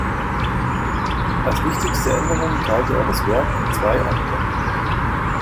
Als wichtigste Änderung teilte er das Werk in zwei Akte.